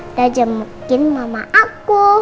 udah jemukin mama aku